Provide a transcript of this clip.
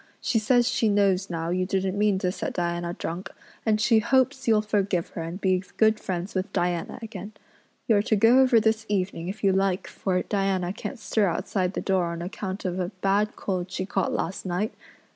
She says she knows now you didn't mean to set Diana drunk, and she hopes you'll forgive her and be good friends with Diana again. You're to go over this evening if you like for Diana can't stir outside the door on account of a bad cold she caught last night.